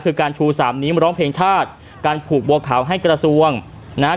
คือการชูส้ำนี้มาร้องเพลงชาติการผูกบวกขาวให้กรสดนมนะฮะ